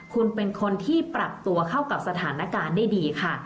คุณเป็นคนที่ปรับตัวเข้ากับสถานการณ์ได้ดีค่ะ